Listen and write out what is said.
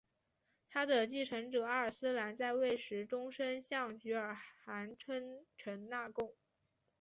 他的继承者阿尔斯兰在位时终生向菊儿汗称臣纳贡。